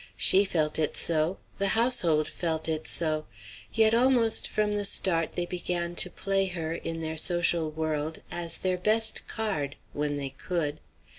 She felt it so. The household felt it so. Yet almost from the start they began to play her, in their social world, as their best card when they could.